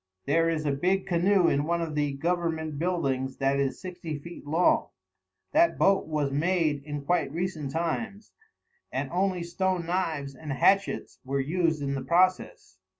There is a big canoe in one of the Government buildings that is sixty feet long. That boat was made in quite recent times, and only stone knives and hatchets were used in the process.